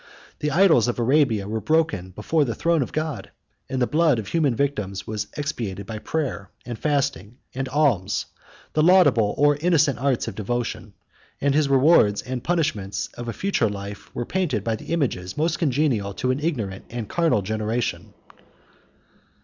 The idols of Arabia were broken before the throne of God; the blood of human victims was expiated by prayer, and fasting, and alms, the laudable or innocent arts of devotion; and his rewards and punishments of a future life were painted by the images most congenial to an ignorant and carnal generation.